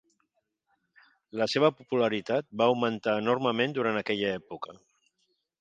La seva popularitat va augmentar enormement durant aquella època.